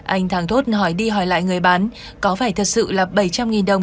anh thàng thốt hỏi đi hỏi lại người bán có phải thật sự là bảy trăm linh đồng